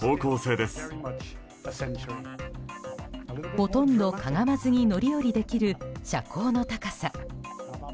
ほとんどかがまずに乗り降りできる、車高の高さ。